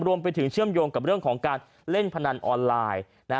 เชื่อมโยงกับเรื่องของการเล่นพนันออนไลน์